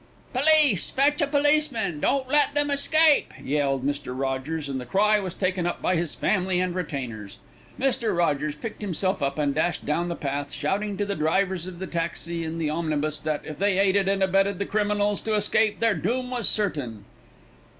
"Police! fetch a policeman! Don't let them escape," yelled Mr. Rogers, and the cry was taken up by his family and retainers. Mr. Rogers picked himself up and dashed down the path shouting to the drivers of the taxi and the omnibus that, if they aided and abetted the criminals to escape, their doom was certain.